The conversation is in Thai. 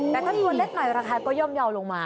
แต่ถ้าตัวเล็กหน่อยราคาก็ย่อมเยาว์ลงมา